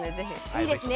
いいですね